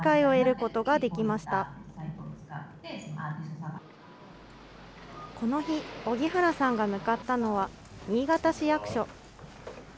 この日、荻原さんが向かったのは、新潟市役所。